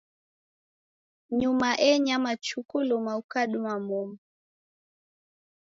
Nyuma enyama chuku luma ukaduma momu.